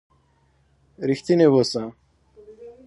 رښتيني وسه.